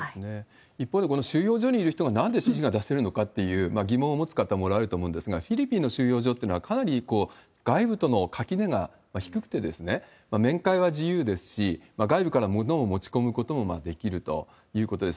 一方で、この収容所にいる人がなんで指示が出せるのかっていう、疑問を持つ方もおられると思うんですが、フィリピンの収容所っていうのは、かなり外部との垣根が低くて、面会は自由ですし、外部から物を持ち込むこともできるということです。